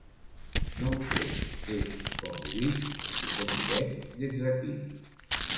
No ho sé, és com ho visc i com ho veig des d’aquí.